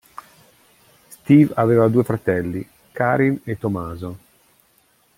Steve aveva due fratelli, Karin e Tomaso.